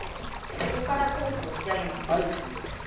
ここからソースを仕上げます。